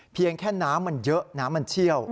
เพียงแค่น้ำมันเยอะน้ำมันเชี่ยว